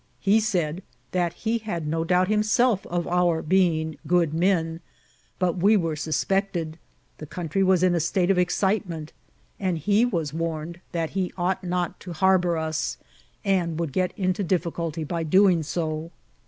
He said that he had no doubt himself of our being good men, but we were suspected ; the country was in a state of excitement ; and he was warned that he ought not to harbour us, and would get into difficulty by doing so.